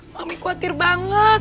mami khawatir banget